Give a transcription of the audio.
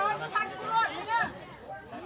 มันมีการเกิด